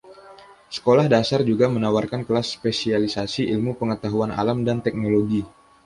Sekolah dasar juga menawarkan kelas spesialisasi Ilmu Pengetahuan Alam dan Teknologi.